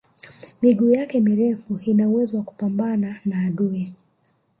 miguu yake mirefu ina uwezo wa kupambana na adui